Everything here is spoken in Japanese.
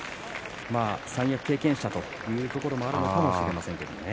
三役経験者ということもあるのかもしれません。